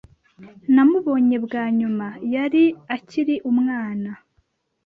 Namubonye bwa nyuma, yari akiri umwana.